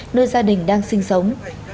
nơi gia đình đang sinh sống